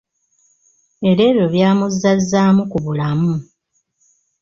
Era ebyo byamuzzazzaamu ku bulamu.